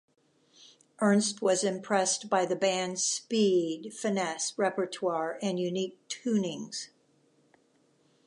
Ernst was impressed by the band's speed, finesse, repertoire and unique tunings.